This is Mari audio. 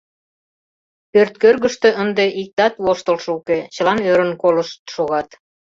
Пӧрткӧргыштӧ ынде иктат воштылшо уке, чылан ӧрын колышт шогат.